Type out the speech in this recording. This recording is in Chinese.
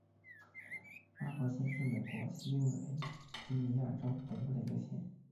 巴伯县是美国西维吉尼亚州北部的一个县。